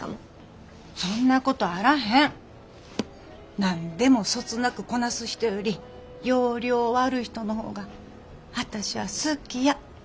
何でもそつなくこなす人より要領悪い人の方が私は好きや。